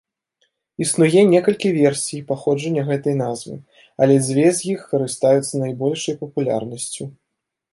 Існуе некалькі версій паходжання гэтай назвы, але дзве з іх карыстаюцца найбольшай папулярнасцю.